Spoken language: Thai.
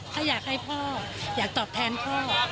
ถ้าอยากให้พ่ออยากตอบแทนพ่อ